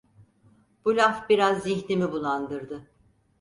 Bu laf biraz zihnimi bulandırdı.